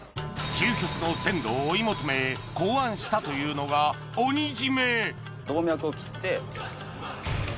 究極の鮮度を追い求め考案したというのが鬼絞め動脈を切って。